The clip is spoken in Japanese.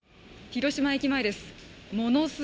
広島駅前です。